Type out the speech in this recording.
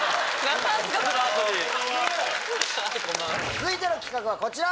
続いての企画はこちら！